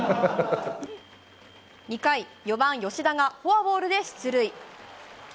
２回、４番吉田がフォアボールで出塁。